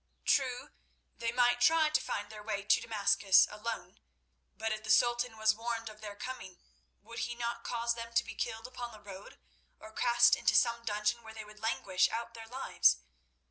True, they might try to find their way to Damascus alone, but if the Sultan was warned of their coming, would he not cause them to be killed upon the road, or cast into some dungeon where they would languish out their lives?